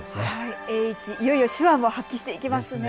栄一、いよいよ手腕を発揮していきますね。